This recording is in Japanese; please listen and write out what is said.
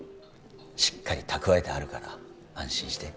しっかり蓄えてあるから安心して